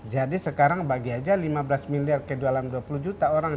jadi sekarang bagi saja lima belas miliar ke dalam dua puluh juta orang